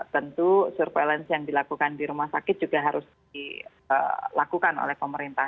tentu surveillance yang dilakukan di rumah sakit juga harus dilakukan oleh pemerintah